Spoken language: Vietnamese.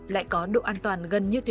lại có đường sắt